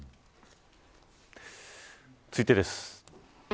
続いてです。